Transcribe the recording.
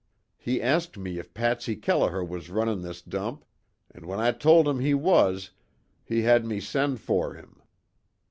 He asked me if Patsy Kelliher was runnin' this dump, an' when I told him he was, he had me send for him.